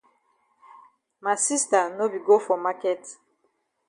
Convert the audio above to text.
Ma sista no be go for maket.